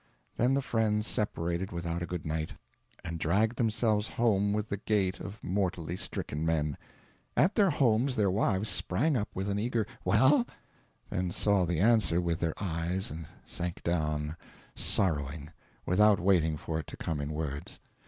Then the friends separated without a good night, and dragged themselves home with the gait of mortally stricken men. At their homes their wives sprang up with an eager "Well?" then saw the answer with their eyes and sank down sorrowing, without waiting for it to come in words.